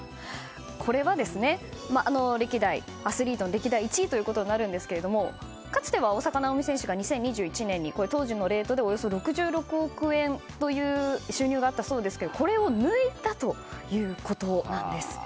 これは歴代アスリートの１位となるんですがかつては大坂なおみ選手が２０２１年に当時のレートでおよそ６６億円という収入があったそうですがこれを抜いたということなんです。